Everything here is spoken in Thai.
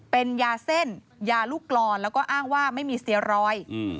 เป็นยาเส้นยาลูกกรอนแล้วก็อ้างว่าไม่มีสเตียรอย